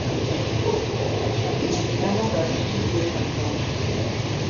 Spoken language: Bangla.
তিনি পিতামাতার তৃতীয় সন্তান।